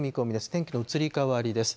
天気の移り変わりです。